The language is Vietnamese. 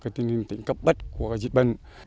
cái tình hình tình cấp bất của dịch bệnh